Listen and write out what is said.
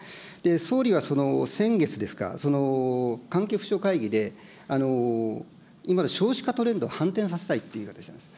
総理は先月ですか、その関係府省会議で、今、少子化トレンドを反転させたいという言い方されたんです。